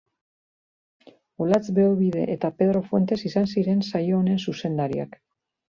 Olatz Beobide eta Pedro Fuentes izan ziren saio honen zuzendariak.